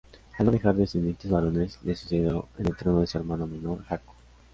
Al no dejar descendientes varones, le sucedió en el trono su hermano menor, Haakon.